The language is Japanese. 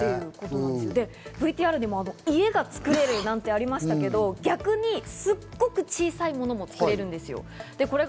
ＶＴＲでも家が造れるなんてありましたけど、逆にすっごく小さいモノも作れるんですよ。